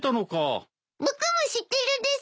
僕も知ってるです。